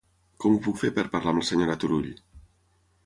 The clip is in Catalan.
Com ho puc fer per parlar amb la senyora Turull?